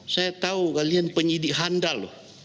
saya tahu kalian penyidik handal loh